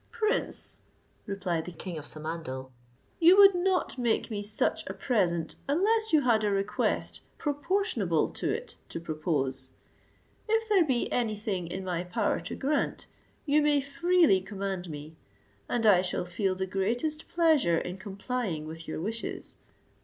"Prince," replied the king of Samandal, "you would not make me such a present unless you had a request proportionable to it to propose. If there be any thing in my power to grant, you may freely command me, and I shall feel the greatest pleasure in complying with your wishes.